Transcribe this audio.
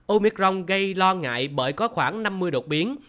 omicron gây lo ngại bởi có khoảng năm mươi đột biến